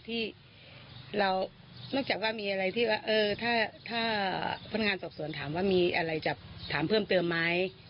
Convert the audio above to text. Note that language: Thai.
ที่เรานอกจากว่ามีอะไรที่ว่าถ้าพนักงานสอบสวนถามว่ามีอะไรจะถามเพิ่มเติมไหม